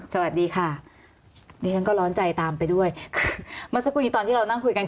สวัสดีค่ะเดี๋ยวฉันก็ร้อนใจตามไปด้วยคือเมื่อสักวันตอนที่เรานั่งคุยกัน